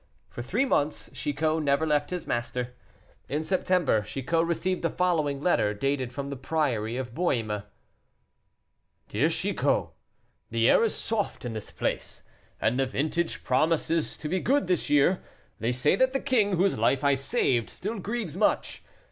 For three months Chicot never left his master. In September, Chicot received the following letter, dated from the Priory of Beaume: "DEAR M. CHICOT The air is soft in this place, and the vintage promises to be good this year. They say that the king, whose life I saved, still grieves much.